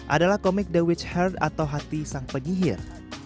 adalah komik the witch heart atau hati sang pegihir